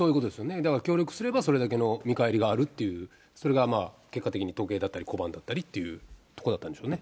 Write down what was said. だから協力すればそれだけの見返りがあるっていう、それが、結果的に時計だったり、小判だったっていうところだったんでしょうね。